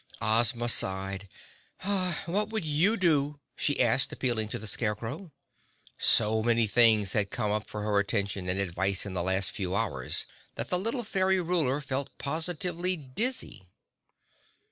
Ozma sighed. "What would you do?" she asked, appealing to the Scarecrow. So many things had come up for her attention and advice in the last few hours that the little fairy ruler felt positively dizzy.